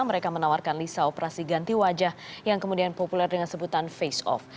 mereka menawarkan lisa operasi ganti wajah yang kemudian populer dengan sebutan face off